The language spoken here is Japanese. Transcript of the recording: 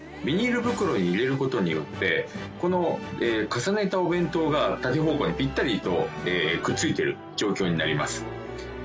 ビニール袋に入れることによってこの重ねたお弁当が縦方向にぴったりとくっついてる状況になります。